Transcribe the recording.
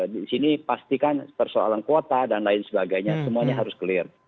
di sini pastikan persoalan kuota dan lain sebagainya semuanya harus clear